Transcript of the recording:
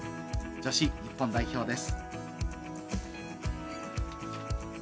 女子日本代表です。